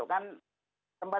kalau pakai masker kain